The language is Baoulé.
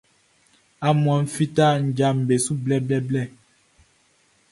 Aunmuanʼn fita nɲaʼm be su blɛblɛblɛ.